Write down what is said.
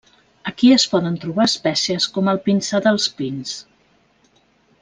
Aquí es poden trobar espècies com el pinsà dels pins.